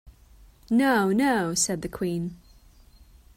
‘No, no!’ said the Queen.